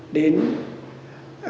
đến các kép đàn